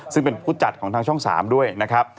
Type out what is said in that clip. ซึ่งเป็นผู้จัดของทางช่อง๓ด้วยนะครับ